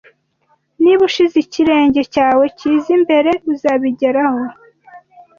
Niba ushize ikirenge cyawe cyiza imbere, uzabigeraho